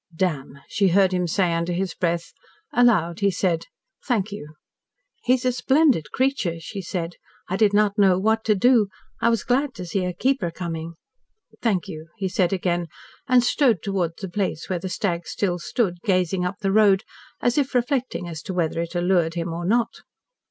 "Damn!" she heard him say under his breath. Aloud he said, "Thank you." "He is a splendid creature," she said. "I did not know what to do. I was glad to see a keeper coming." "Thank you," he said again, and strode towards the place where the stag still stood gazing up the road, as if reflecting as to whether it allured him or not.